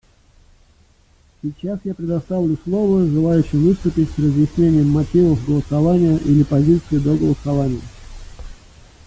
Сейчас я предоставлю слово желающим выступить с разъяснением мотивов голосования или позиции до голосования.